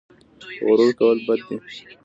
غرور کول بد دي